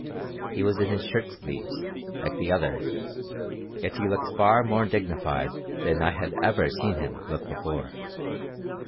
He was in his shirt sleeves, like the others, yet he looked far more dignified than I had ever seen him look before.